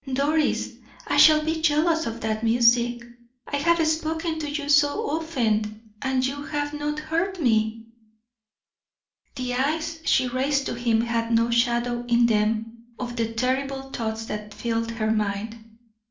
"Doris, I shall be jealous of that music. I have spoken to you so often, and you have not heard me." The eyes she raised to him had no shadow in them of the terrible thoughts that filled her mind.